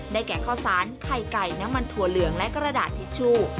แก่ข้าวสารไข่ไก่น้ำมันถั่วเหลืองและกระดาษทิชชู่